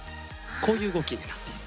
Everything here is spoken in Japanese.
こういううごきになっている。